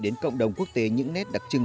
đến cộng đồng quốc tế những nét đặc trưng